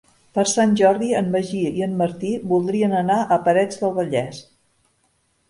Per Sant Jordi en Magí i en Martí voldrien anar a Parets del Vallès.